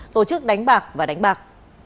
tổ chức đánh bạc và đánh bạc